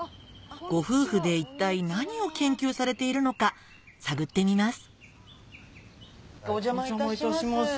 ご夫婦で一体何を研究されているのか探ってみますお邪魔いたします。